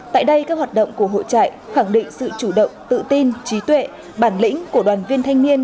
tại đây các hoạt động của hội trại khẳng định sự chủ động tự tin trí tuệ bản lĩnh của đoàn viên thanh niên